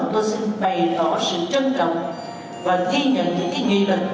tôi xin bày tỏ sự trân trọng và ghi nhận những cái nghị lực